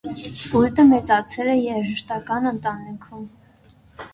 Կուրտը մեծացել է երաժշտական ընտանիքում։